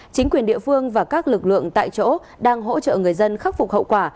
chính quyền địa phương và các lực lượng tại chỗ đang hỗ trợ người dân khắc phục hậu quả